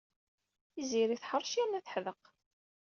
Tiziri teḥṛec yerna d teḥdeq.